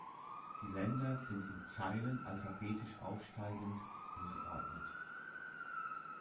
Die Länder sind in Zeilen alphabetisch aufsteigend angeordnet.